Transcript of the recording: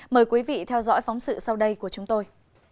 mời quý vị theo dõi phóng sự sau đây của chúng tôi